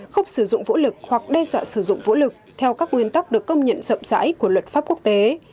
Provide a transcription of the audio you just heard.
không sử dụng vũ lực hoặc đe dọa sử dụng vũ lực theo các nguyên tắc được công nhận rộng rãi của luật pháp quốc tế